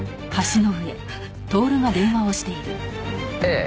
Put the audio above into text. ええ。